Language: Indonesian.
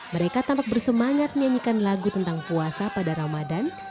mereka tampak bersemangat menyanyikan lagu tentang puasa pada ramadan